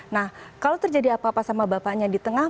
nah kalau terjadi apa apa sama bapaknya di tengah